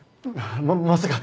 ままさか。